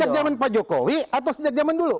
sejak zaman pak jokowi atau sejak zaman dulu